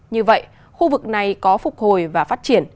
như vậy khu vực này có phục hồi và phát triển